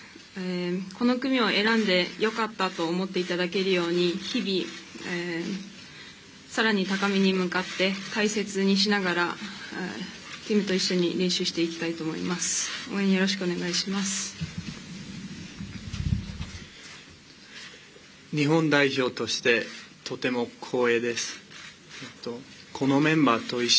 この組を選んでよかったと思っていただけるように日々、さらに高みに向かって大切にしながらティムと一緒に練習していきたいと思います。